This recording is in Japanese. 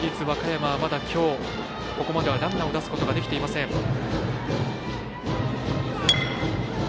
和歌山、まだきょうここまではランナーを出すことができていません。